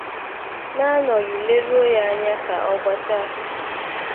n'anọghị leruo ya anya ka ọ gbachaa